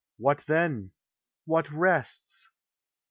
What then? what rests?